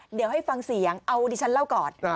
เดี๋ยวให้ฟังเสียงเอาดิฉันเล่าก่อน